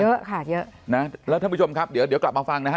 เยอะค่ะเยอะนะแล้วท่านผู้ชมครับเดี๋ยวเดี๋ยวกลับมาฟังนะฮะ